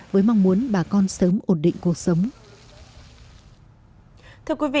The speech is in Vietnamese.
với mong muốn bà con sớm ổn định cuộc sống